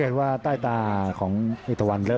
อัศวินาศาสตร์